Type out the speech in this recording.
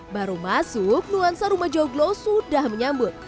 baru masuk nuansa rumah joglo sudah menyambut